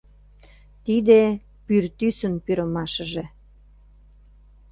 Тиде — пӱртӱсын пӱрымашыже.